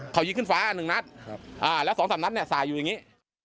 เขายิงขึ้นฟ้าหนึ่งนัดแล้ว๒๓นัดเนี่ยสายอยู่อย่างนี้